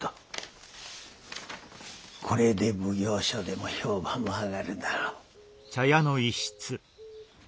これで奉行所でも評判も上がるだろう。